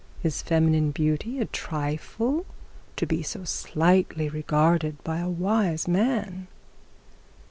Is feminine beauty a trifle to be so slightly regarded by a wise man?'